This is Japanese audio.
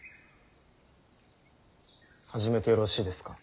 始めてよろしいですか。